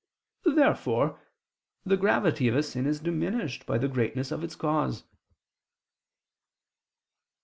Therefore the gravity of a sin is diminished by the greatness of its cause.